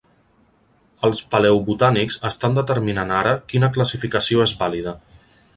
Els paleobotànics estan determinant ara quina classificació és vàlida.